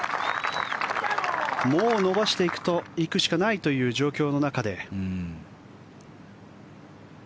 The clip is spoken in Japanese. もう伸ばしていくしかないという状況の中で。